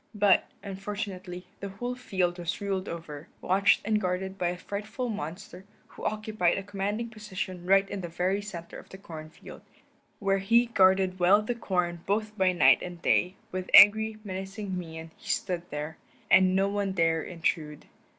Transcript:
But, unfortunately, the whole field was ruled over, watched and guarded by a frightful monster, who occupied a commanding position right in the very center of the corn field, where he guarded well the corn both by night and day; with angry, menacing mien he stood there, and no one dare intrude.